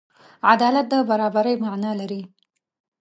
عدالت د برابري معنی لري.